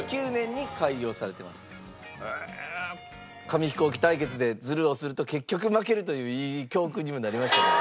紙飛行機対決でズルをすると結局負けるといういい教訓にもなりましたね